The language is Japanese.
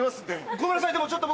ごめんなさいでもちょっと。